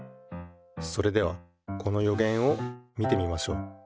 それではこのよげんを見てみましょう。